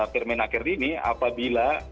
permenaker ini apabila